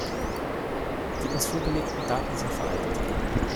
Die uns vorgelegten Daten sind veraltet.